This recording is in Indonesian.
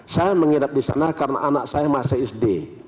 saya mengidap di sana karena anak saya masih sd